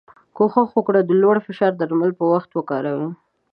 کوښښ وکړی د لوړ فشار درمل په وخت وکاروی.